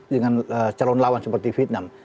dengan calon lawan seperti vietnam